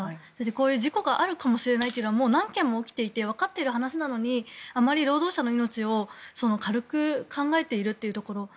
こういう事故があるかもしれないというのは何件も起きていてわかっている話なのにあまり労働者の命を軽く考えているというところ。